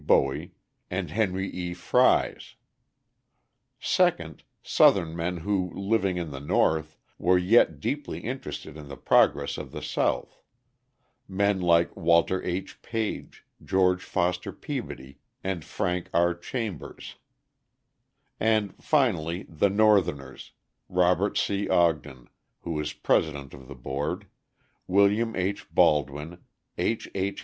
Bowie, and Henry E. Fries; second, Southern men who, living in the North, were yet deeply interested in the progress of the South men like Walter H. Page, George Foster Peabody, and Frank R. Chambers; and, finally, the Northerners Robert C. Ogden, who was president of the board, William H. Baldwin, H. H.